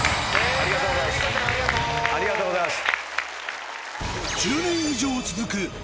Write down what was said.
ありがとうございます。